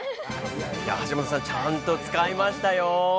橋本さん、ちゃんと使いましたよ。